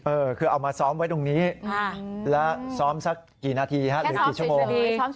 เออคือเอามาซ้อมไว้ตรงนี้แล้วซ้อมสักกี่นาทีฮะหรือกี่ชั่วโมง